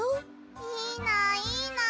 いいないいな！